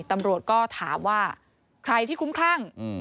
ตำรวจก็ถามว่าใครที่คุ้มคลั่ง